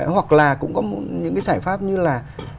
hoặc là cũng có những cái giải pháp như là